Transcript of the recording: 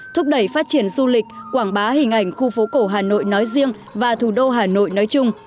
thúc đẩy phát triển du lịch quảng bá hình ảnh khu phố cổ hà nội nói riêng và thủ đô hà nội nói chung